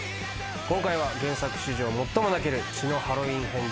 今回は原作史上最も泣ける「血のハロウィン編」です。